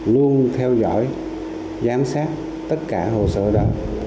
luôn theo dõi giám sát tất cả hồ sơ đó